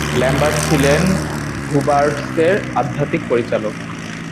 Lambert ছিলেন হুবার্টাসের আধ্যাত্মিক পরিচালক।